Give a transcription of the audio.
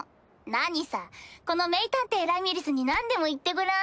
何さこの名探偵ラミリスに何でも言ってごらん？